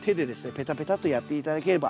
ペタペタッとやって頂ければ。